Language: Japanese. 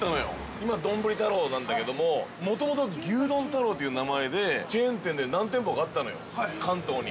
今牛丼太郎なんだけどもともと、牛丼太郎という名前でチェーン店で、何店舗かあったのよ、関東に。